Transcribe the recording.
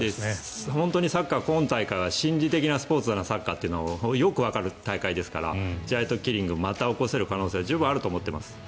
本当にサッカー、今大会は心理的なスポーツであるということがよくわかる大会ですからジャイアントキリングまた起こせる可能性は十分あると思っています。